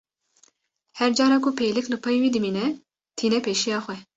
Her cara ku pêlik li pey wî dimîne, tîne pêşiya xwe.